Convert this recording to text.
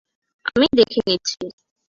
আমি দেখে নিচ্ছি।